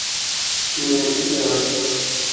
তুমি মেসকে চেনোনা।